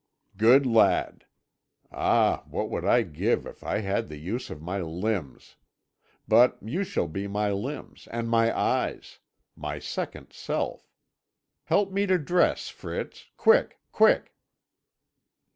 "Good lad! Ah, what would I give if I had the use of my limbs! But you shall be my limbs and my eyes my second self. Help me to dress, Fritz quick, quick!"